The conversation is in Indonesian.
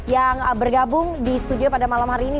yang bergabung di studio pada malam hari ini